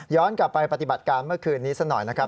กลับไปปฏิบัติการเมื่อคืนนี้สักหน่อยนะครับ